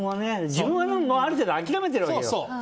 自分はある程度、諦めてるのよ。